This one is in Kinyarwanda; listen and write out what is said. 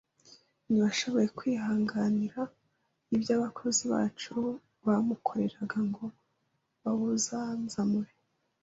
ntiwashoboye kwihanganira ibyo abakozi bacu bamukoreraga ngo bawuzanzamure